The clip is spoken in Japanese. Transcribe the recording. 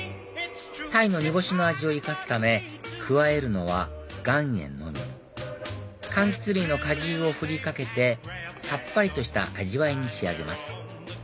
鯛の煮干しの味を生かすため加えるのは岩塩のみかんきつ類の果汁を振りかけてさっぱりとした味わいに仕上げます